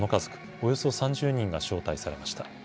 およそ３０人が招待されました。